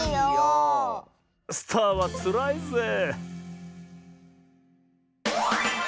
スターはつらいぜえ。